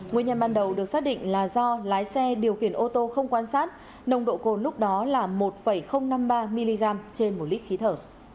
nguyên nhân ban đầu được xác định là do lái xe điều khiển ô tô không quan sát nồng độ cồn lúc đó là một năm mươi ba mg trên một lít khí thở